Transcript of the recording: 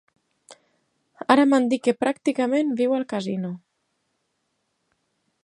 Ara m'han dit que pràcticament viu al casino.